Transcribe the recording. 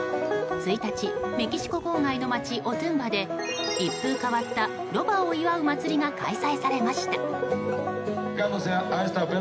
１日、メキシコ郊外の街オトゥンバで一風変わったロバを祝う祭りが開催されました。